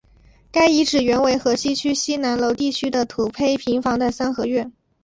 该遗址原为河西区西南楼地区的土坯平房的三合院。